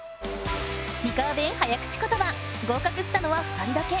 三河弁早口ことば合格したのは２人だけ。